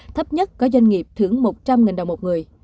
thấp nhất có doanh nghiệp thưởng một trăm linh đồng một người